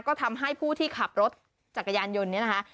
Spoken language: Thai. ก็ทำให้ผู้ที่ขับรถจักรยานยนต์เนี่ยนะคะ